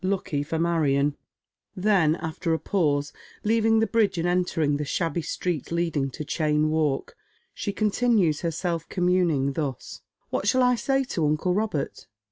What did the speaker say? Lucky for Marion 1 " Then, after a pause, leaving the bridge and entering the shabby street leading to Cheyne Walk, she continues her self commun ing thus :—" What shall I say to uncle Robert